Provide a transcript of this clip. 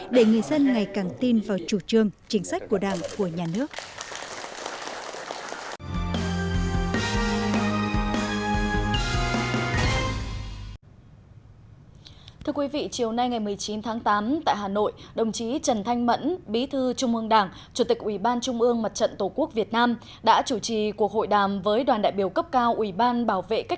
để người dân ngày càng tin vào chủ trương chính sách của đảng của nhà nước